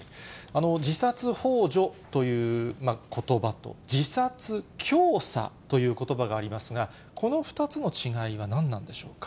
自殺ほう助ということばと、自殺教唆ということばがありますが、この２つの違いは何なんでしょうか。